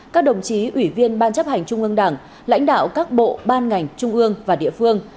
các đồng chí ủy viên ban chấp hành trung ương đảng lãnh đạo các bộ ban ngành trung ương và địa phương